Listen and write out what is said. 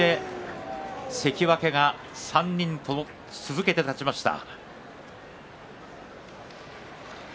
関脇が３人続けて勝ちました。